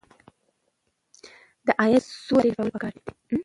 د عاید څو لارې لټول پکار دي.